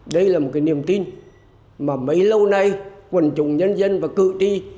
đây là một cái niềm tin mà mấy lâu nay quân chủ nhân dân và cự tri